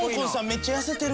めっちゃ痩せてる！